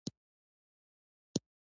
تاریخ د خپل ولس د خوشالۍ لامل دی.